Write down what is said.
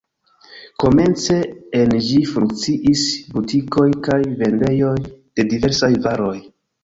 Komence en ĝi funkciis butikoj kaj vendejoj de diversaj varoj.